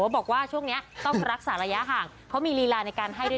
บอกว่าช่วงนี้ต้องรักษาระยะห่างเพราะมีลีลาในการให้ด้วย